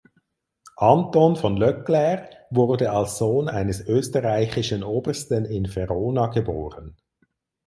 Anton von Leclair wurde als Sohn eines österreichischen Obersten in Verona geboren.